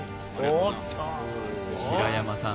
白山さん